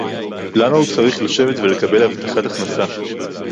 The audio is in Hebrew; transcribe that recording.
למה הוא צריך לשבת ולקבל הבטחת הכנסה